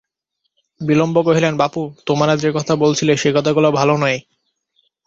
বিল্বন কহিলেন, বাপু, তোমারা যে কথা বলছিলে সে কথাগুলো ভালো নয়।